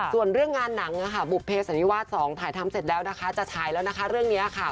ส่วนเรื่องงานหนังบุภเพสันนิวาส๒ถ่ายทำเสร็จแล้วนะคะจะฉายแล้วนะคะเรื่องนี้ค่ะ